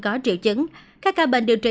có triệu chứng các ca bệnh điều trị